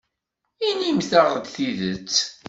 Inimt-aɣ-d tidet.